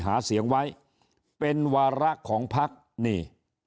หาเสียงไว้เป็นวาระของพักนี่